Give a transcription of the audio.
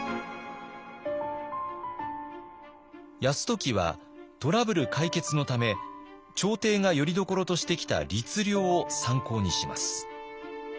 泰時はトラブル解決のため朝廷がよりどころとしてきた「律令」を参考にします。